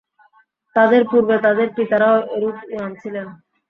তাদের পূর্বে তাদের পিতারাও এরূপ ইমাম ছিলেন।